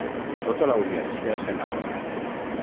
Tota l'audiència se n'adona.